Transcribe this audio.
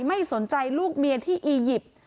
ไม่สนใจลูกเมียที่อียิปต์